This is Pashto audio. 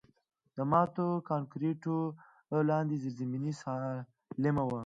د ماتو کانکریټونو لاندې زیرزمیني سالمه وه